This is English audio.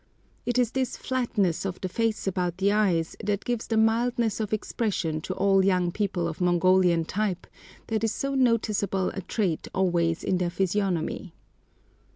It is this flatness of the face about the eyes that gives the mildness of expression to all young people of Mongolian type that is so noticeable a trait always in their physiognomy.